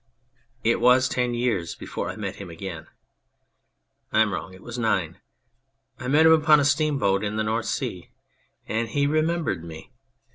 It was ten years before I met him again. I am wrong it was nine. I met him upon a steamboat in the North Sea, and he remembered me.